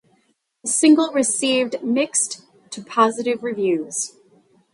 The single received mixed to positive reviews.